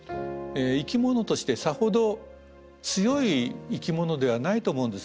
生き物としてさほど強い生き物ではないと思うんです